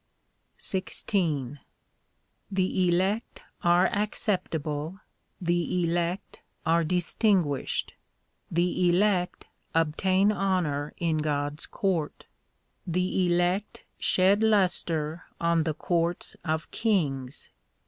XVI The elect 3 are acceptable, the elect are distinguished ; The elect obtain honour in God s court ; The elect shed lustre 4 on the courts of kings.